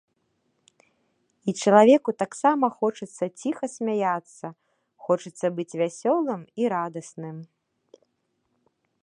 І чалавеку таксама хочацца ціха смяяцца, хочацца быць вясёлым і радасным.